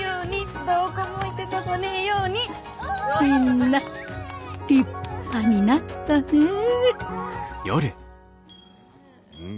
みんな立派になったねえ。